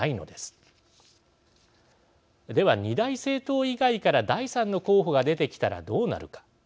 では２大政党以外から第３の候補が出てきたらどうなるか。